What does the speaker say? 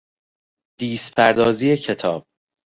دیسپردازی کتاب